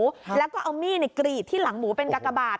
แล้วก็เอามีดกรีดที่หลังหมูเป็นกากบาท